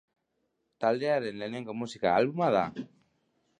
Taldearen lehenengo musika albuma da.